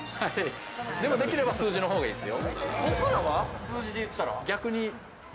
でも、できれば数字の方がいいですよ。